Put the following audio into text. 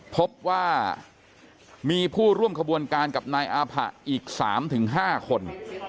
พบว่ามีผู้ร่วมขบวนการกับนายอาผะอีก๓๕คน